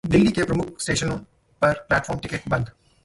दिल्ली के प्रमुख स्टेशनों पर प्लेटफार्म टिकट बंद